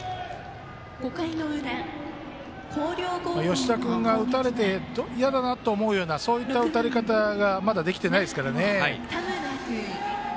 吉田君が打たれて嫌だなと思うようなそういった打たれ方がまだできてないですからね。